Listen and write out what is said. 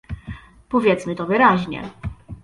Powiedzmy to wyraźnie